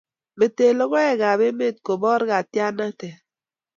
Mete logoiwekab emet kobor katiaknatet